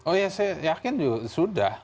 oh ya saya yakin sudah